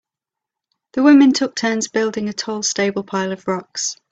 The women took turns building a tall stable pile of rocks.